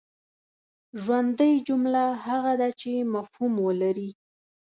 ژوندۍ جمله هغه ده چي مفهوم ولري.